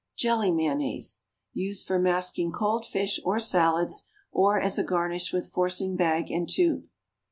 =Jelly Mayonnaise.= (_Used for masking cold fish or salads, or as a garnish with forcing bag and tube.